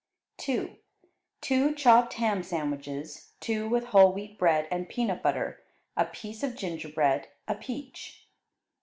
2. Two chopped ham sandwiches, two with whole wheat bread and peanut butter; a piece of gingerbread; a peach.